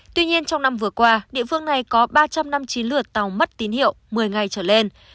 tuy nhiên trong năm vừa qua địa phương này có ba trăm năm mươi chín lượt tàu mất tín hiệu một mươi ngày trở lên